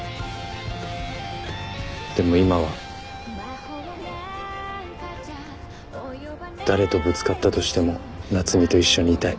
でも今は誰とぶつかったとしても夏海と一緒にいたい。